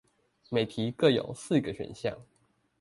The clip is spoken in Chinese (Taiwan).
每題各有四個選項